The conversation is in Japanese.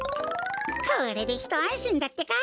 これでひとあんしんだってか。